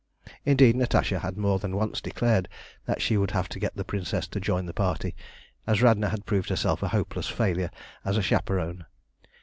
Indeed, Natasha had more than once declared that she would have to get the Princess to join the party, as Radna had proved herself a hopeless failure as a chaperone.